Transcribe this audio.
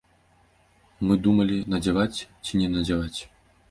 Мы думалі, надзяваць ці не надзяваць.